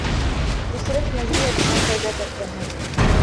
وہ صرف نظری ابہام پیدا کرتے ہیں۔